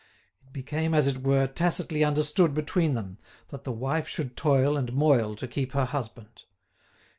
It became, as it were, tacitly understood between them that the wife should toil and moil to keep her husband.